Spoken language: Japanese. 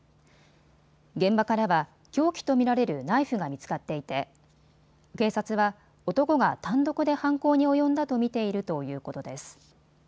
現場からは凶器と見られるナイフが見つかっていて、警察は男が単独で犯行に及んだと見ているということです。